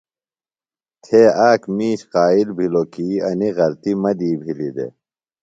تھے آک مِیش قائل بِھلوۡ کی انیۡ غلطیۡ مہ دی بِھلیۡ دےۡ۔